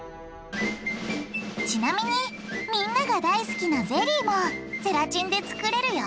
ちなみにみんなが大好きなゼリーもゼラチンで作れるよ。